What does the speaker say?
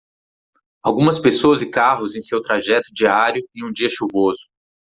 Algumas pessoas e carros em seu trajeto diário em um dia chuvoso.